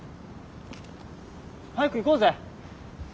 早く行こうぜ。